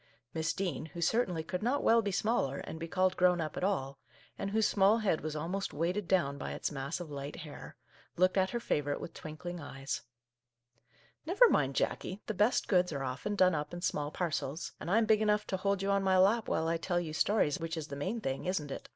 " Miss Dean, who certainly could not well be smaller and be called grown up at all, and whose small head was almost weighted down by its mass of light hair, looked at her favour ite with twinkling eyes. " Never mind, Jackie, the best goods are Our Little Canadian Cousin 107 often done up in small parcels; and I'm big enough to hold you on my lap while I tell you stories, which is the main thing, isn't it